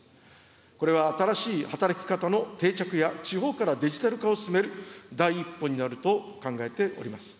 これは新しい働き方の定着や地方からデジタル化を進める第一歩になると考えております。